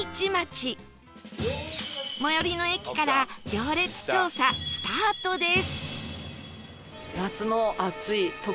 最寄りの駅から行列調査スタートです